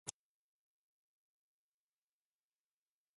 Old men used to put embers of the fire in their wooden shoes.